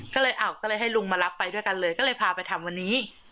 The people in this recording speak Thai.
ก็เลยอ้าวก็เลยให้ลุงมารับไปด้วยกันเลยก็เลยพาไปทำวันนี้